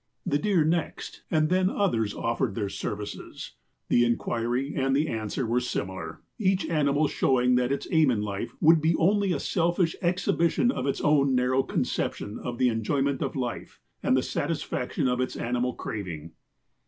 "The deer next, and then others offered their services. The inquiry and the answer were similar, each animal showing that its aim in life would be only a selfish exhi bition of its own narrow conception of the enjoyment of life, and the satisfaction of its animal craving.